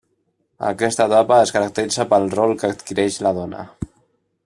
Aquesta etapa es caracteritza pel rol que adquireix la dona.